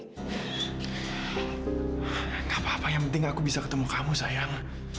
tidak apa apa yang penting aku bisa ketemu kamu sayang